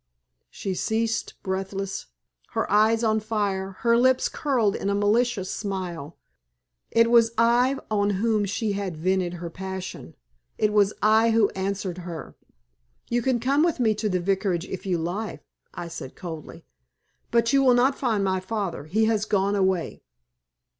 She ceased breathless, her eyes on fire, her lips curled in a malicious smile. It was I on whom she had vented her passion. It was I who answered her. "You can come with me to the Vicarage if you like," I said, coldly; "but you will not find my father. He has gone away."